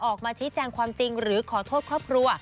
ออกมาชี้แจงความจริงหรือขอโทษครอบครัว